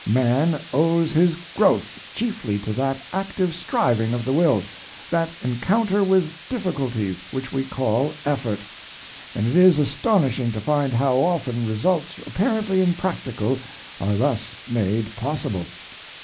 Man owes his growth chiefly to that active striving of the will, that encounter with difficulty which we call effort; and it is astonishing to find how often results apparently impracticable are thus made possible.